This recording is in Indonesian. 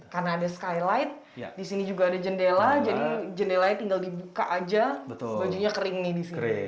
karena ada skylight di sini juga ada jendela jadi jendelanya tinggal dibuka saja bajunya kering di sini